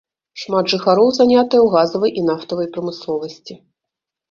Шмат жыхароў занятыя ў газавай і нафтавай прамысловасці.